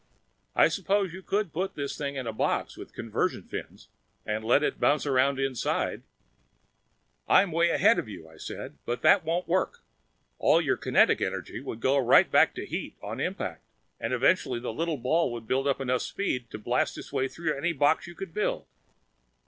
"I suppose you could put this thing in a box, with convection fins, and let it bounce around inside " "I'm way ahead of you," I said. "But that wouldn't work. All your kinetic energy would go right back to heat, on impact and eventually that little ball would build up enough speed to blast its way through any box you could build."